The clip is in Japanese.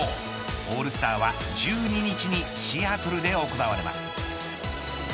オールスターは１２日にシアトルで行われます。